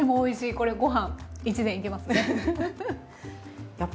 これご飯１膳いけますね。